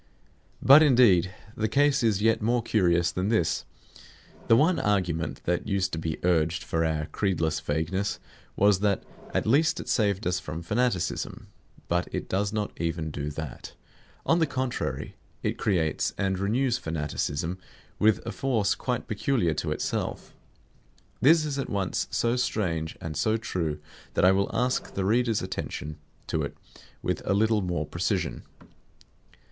But indeed the case is yet more curious than this. The one argument that used to be urged for our creedless vagueness was that at least it saved us from fanaticism. But it does not even do that. On the contrary, it creates and renews fanaticism with a force quite peculiar to itself. This is at once so strange and so true that I will ask the reader's attention to it with a little more precision.